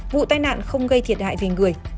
vụ tai nạn không gây thiệt hại về người